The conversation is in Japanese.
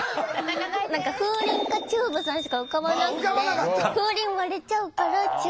何か風鈴かちゅーぶさんしか浮かばなくて風鈴割れちゃうからちゅーぶさんかな。